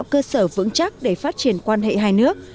cơ sở vững chắc để phát triển quan hệ hai nước